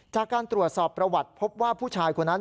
จากการตรวจสอบประวัติพบว่าผู้ชายคนนั้น